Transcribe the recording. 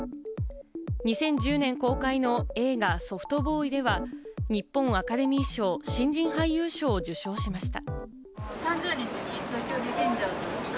２０１０年公開の映画『ソフトボーイ』では、日本アカデミー賞新人俳優賞を受賞しました。